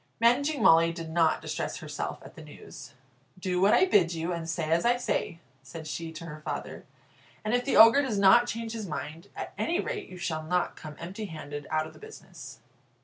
Managing Molly did not distress herself at the news. "Do what I bid you, and say as I say," said she to her father, "and if the Ogre does not change his mind, at any rate you shall not come empty handed out of the business."